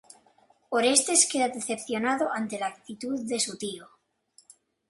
Orestes queda decepcionado ante la actitud de su tío.